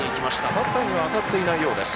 バッターには当たっていないようです。